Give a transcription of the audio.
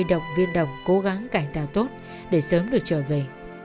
khi đồng viên đồng cố gắng cảnh tạo tốt để sớm được trở về